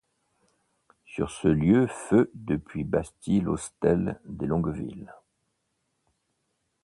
Sur ce lieu feut depuis basty l’hostel des Longueville.